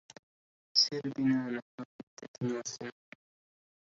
سر بنا نحو حدة وسناع